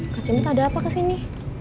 kak cimut ada apa kesini